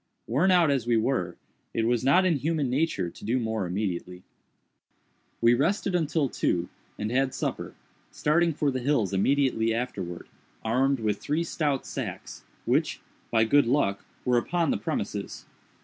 Worn out as we were, it was not in human nature to do more immediately. We rested until two, and had supper; starting for the hills immediately afterwards, armed with three stout sacks, which, by good luck, were upon the premises.